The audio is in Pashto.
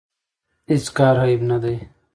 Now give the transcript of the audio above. هیڅ کار عیب نه دی.